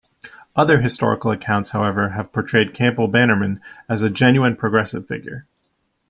Other historical accounts, however, have portrayed Campbell-Bannerman as a genuine progressive figure.